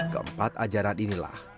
keempat ajaran inilah